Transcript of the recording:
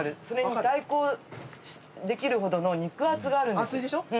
それに対抗できるほどの肉厚があるんですよ。